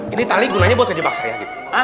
ini tali gunanya buat ngejebak saya gitu